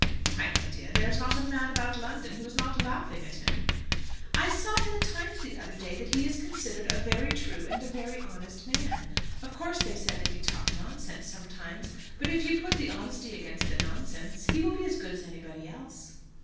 "Why, my dear, there is not a man about London who is not laughing at him." "I saw in The Times the other day that he is considered a very true and a very honest man. Of course, they said that he talked nonsense sometimes; but if you put the honesty against the nonsense, he will be as good as anybody else."